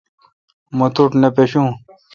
مہ توٹھ نہ پاشوں۔